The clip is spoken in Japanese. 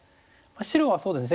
白はそうですね